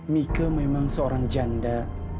mika memang seorang janda